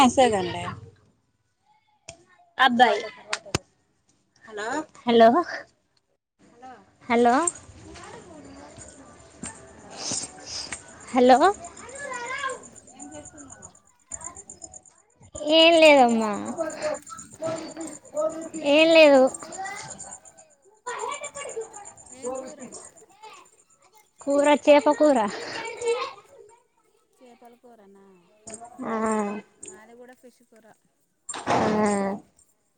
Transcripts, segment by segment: వస్తదండి అబ్బాయి hello hello hello ఏం జేస్తున్నారు? ఏం లేదమ్మా. చేస్తున్నావు అబ్బా ఏం లేదు. ఏం కూరా? కూర చేప కూర చేపల కూరన ఆ మాది కూడా ఫిష్ కూర ఆ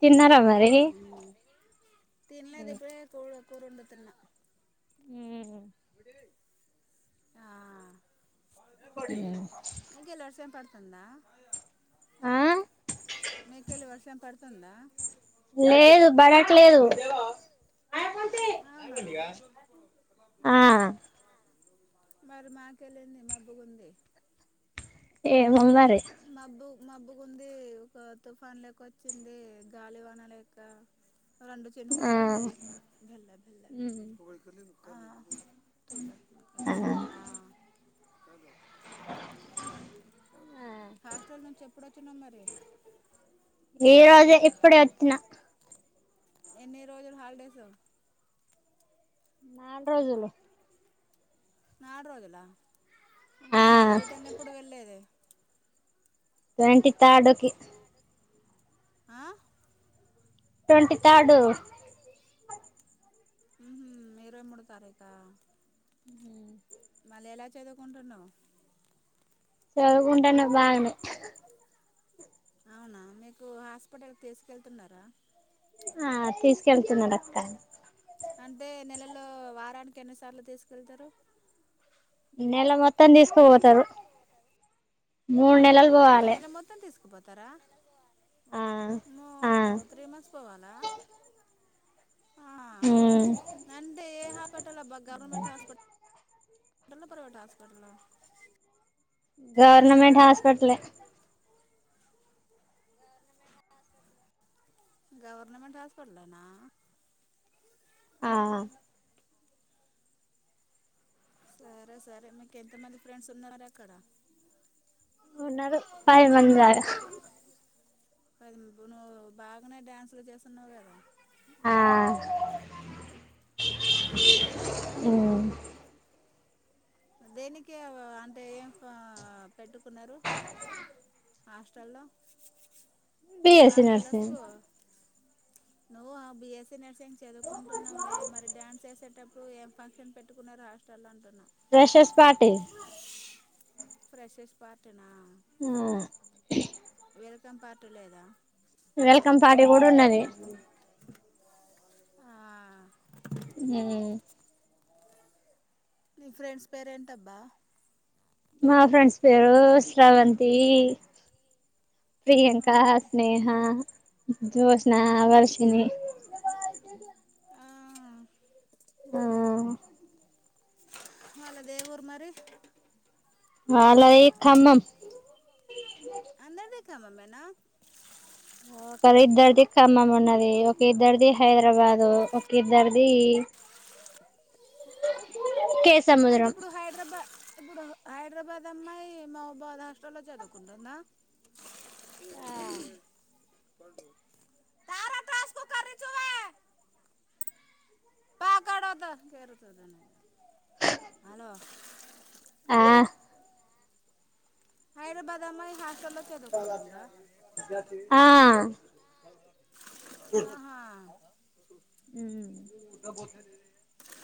తిన్నారా మరి ఉమ్ తినలేద్ ఇప్పుడే కూరుండుతున్నా ఆ ఉమ్ తుందా మీకేళ్ళి వర్షం పడుతుందా లేదు బడట్లేదు అవునా ఆ మరి మాకెళ్ళెంది మబ్బుగుంది ఏమో మరి మబ్బు మబ్బుగుంది ఒక తుఫాన్ లెక్క వచ్చింది గాలివాన లెక్క రెండు ఆ చినుకులు పడ్డయి మెల్ల మెల్ల మెల్లగ ఆ ఆ ఆ ఆహా హాస్టల్ నుంచి ఎప్పుడొచ్చినవ్ మరి ఈ రోజే ఇప్పుడే వచ్చిన ఎన్ని రోజులు హాలిడేసు నాలు రోజులు నాడు రోజులా ఆ మళ్ళీ రిటర్న్ ఎప్పుడు వెళ్లేది ట్వంటీ థార్డ్కి ఆ ట్వంటీ థార్డు ఉమ్ హూ ఇరవై మూడో తారీఖా మళ్ళీ ఎలా చదువుకుంటున్నావ్ చదువుకుంటాను బాగానే అవునా మీకు హాస్పిటల్కి తీసుకెళ్తున్నారా ఆ తీసుకెళ్తున్నారు అక్క అంటే నెలల్లో వారానికి ఎన్నిసార్లు తీసుకెళ్తారు నెల మొత్తం తీసుకోపోతారు మూడు నెలలు పోవాలే నెల మొత్తం తీసుకుపోతారా ఆ మ ఆ త్రీ మంత్స్ పోవాలా ఆ ఉమ్ అంటే ఏ హాస్పిటల్బ్బా గవర్నమెంట్ హాస్పిటల్ దన్న ప్రైవేట్ హాస్పిటల్ గవర్నమెంట్ హాస్పిటలె గవర్నమెంట్ హాస్పిటలేనా ఆ సరే సరే మీకు ఎంత మంది ఫ్రెండ్స్ ఉన్నారు అక్కడ ఉన్నరు పది మంది దాక కదిప్పుడు నువ్వు బాగానే డ్యాన్సు లు చేస్తున్నావు కదా ఆ ఆ, ఉ దేనికి అంటే ఏం పెట్టుకున్నారు హాస్టల్లో బిఎస్సి నర్సింగ్ నువ్వ బిఎస్సి నర్సింగ్ చదువుకుంటున్నావులే మరి డ్యాన్స్ ఏసేటప్పు ఇప్పుడు ఏం ఫంక్షన్ పెట్టుకున్నారు హాస్టల్లో అంటున్నా ఫ్రెషర్స్ పార్టీ ఫ్రెషర్స్ పార్టీనా ఆ వెల్కం పార్టీ లేదా వెల్కమ్ పార్టీ కూడా ఉన్నది ఆ, ఉ నీ ఫ్రెండ్స్ పేరేంటబ్బా మా ఫ్రెండ్స్ పేరు శ్రవంతి ఆ, ప్రియాంక, స్నేహ, జోష్నా, వర్షిణి ఆ, ఆ వాళ్లది ఏ ఊరు మరి వాళ్లది ఖమ్మం ఖమ్మమేనా ఆ ఒకరి ఇద్దరిది ఖమ్మం ఉన్నది ఒక ఇద్దరిది హైదరాబాదు ఒక ఇద్దరిది కే అంటే సముద్రం ఇప్పుడు హైదరాబాద్ ఇప్పుడు హైదరాబాద్ అమ్మాయి మహబుబా హాస్టల్లో చదువుకుంటుందా ఆ [unintelligible] హలో ఆ హైదరాబాద్ అమ్మాయి హాస్టల్ లో చదువుకుంటుందా ఆ ఆహా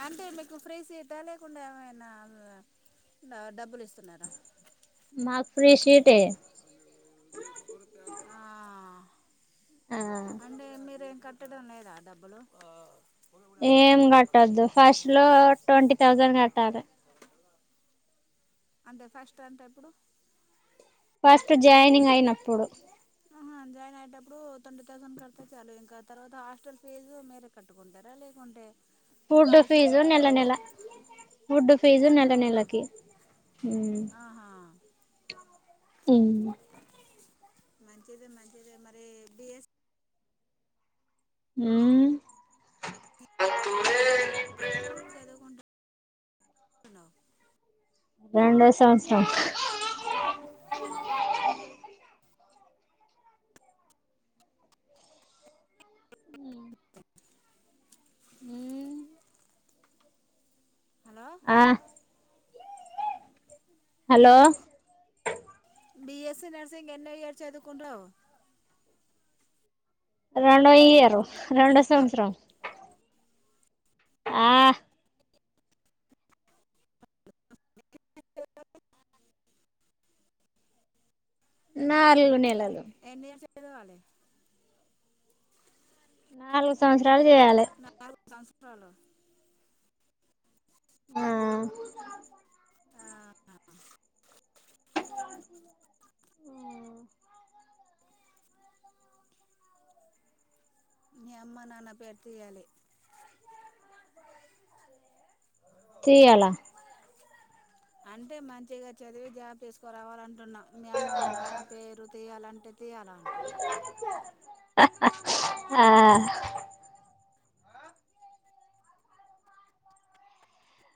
అంటే మీకు ఫ్రీ సీటా లేకుండా ఏమైనా ఆ డబ్బులు ఇస్ న్నార మాకు ఫ్రీ సీటే ఆ, అంటే మీరేం కట్టడం లేదా డబ్బులు ఏం కట్టొద్దు ఫస్ట్ లో ట్వంటీ థౌజండ్ కట్టాలి అంటే ఫస్ట్ అంటే ఎప్పుడు ఫస్ట్ జాయినింగ్ అయినప్పుడు ఆహా జాయిన్ అయ్యేటప్పుడు ట్వంటీ థౌసండ్ కడితే చాలు ఇంకా తర్వాత హాస్టల్ ఫీజు మీరే కట్టుకుంటారా లేకుంటే ఫుడ్ స్కాలర్షిప్లో ఫీజు కట్ నెల అవుదా నెల ఫుడ్డు ఫీజు నెల అవునా నెలకి ఆహా ఉ మంచిది మంచిది మరి బిఎస్ ఉ చదువుకుంటూ నావు రెండో సంవత్సరం ఉ హలో ఆ హలో బిఎస్సి నర్సింగ్ ఎన్ని ఇయర్ చదువుకుంటునావు రెండో ఇయరు రెండో సంవత్సరం ఆ నా అల్లు నెల ఎన్ని ఇయర్స్ చదవాల నాలుగు సంవత్సరాలు చేయాలి చలో ఆ ఆ, మీీ అమ్మ నాన్న పేరు తీయాలి తీయాల అంటే మంచిగా చదివి జాబ్ తీసుకోరావాలంటున్నాం మీ అమ్మ నాన్న పేరు తీయాలంటే తీయాల అంటును ఆ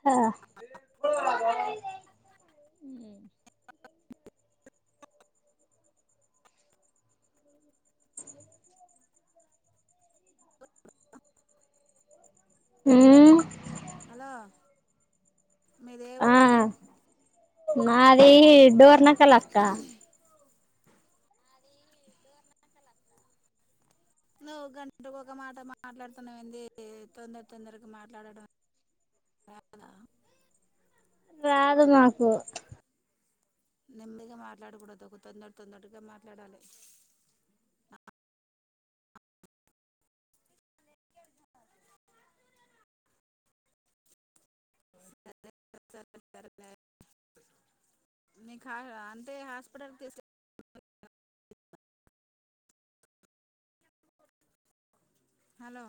ఆ హ హలో మీ దే ఊరు మాది డోర్నకల్ నువ్వు గంటకి ఒక మాట మాట్లాడుతున్నావు ఏంది తొందర తొందరకి మాట్లాడడం రాదా రాదు మాకు నిమ్దిగా మాట్లాడకూడదు ఒక తొందర తొందరగా మాట్లాడాలి స నీకు అంటే హాస్పిటల్ తీసే హలో